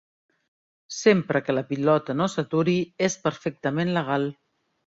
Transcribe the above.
Sempre que la pilota no s'aturi, és perfectament legal.